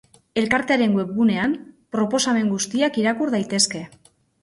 Elkartearen webgunean, proposamen guztiak irakur daitezke.